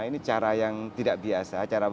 ini cara yang tidak biasa